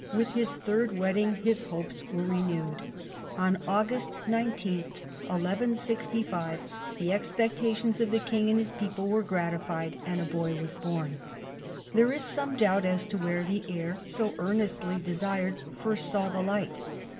With his third wedding his hopes were renewed. On August 19, 1165, the expectations of the king and his people were gratified, and a boy was born. There is some doubt as to where the heir so earnestly desired first saw the light.